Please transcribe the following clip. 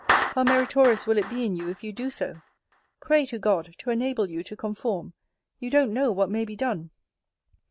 How meritorious will it be in you if you do so! Pray to God to enable you to conform. You don't know what may be done.'